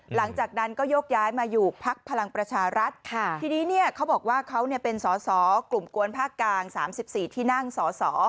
หลังจากนั้นก็โยกย้ายมาอยู่พักพลังประชารัฐทีนี้เนี่ยเขาบอกว่าเขาเป็นสอสอกลุ่มกวนภาคกลาง๓๔ที่นั่งสอสอ